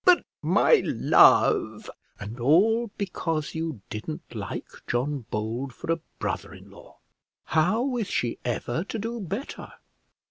"But, my love " "And all because you didn't like John Bold for a brother in law. How is she ever to do better?